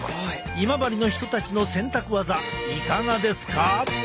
今治の人たちの洗濯技いかがですか？